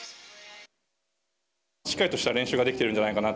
しっかりとした練習ができているんじゃないかな